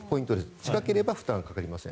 近ければ負担がかかりません。